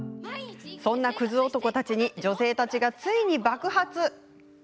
そんなクズ男たちに女性たちがついに爆発。